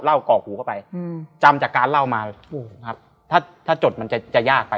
เล่ากรอกหูเข้าไปอืมจำจากการเล่ามาโอ้โหครับถ้าถ้าจดมันจะจะยากไป